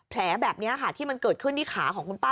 แผลแบบนี้ค่ะที่มันเกิดขึ้นที่ขาของคุณป้า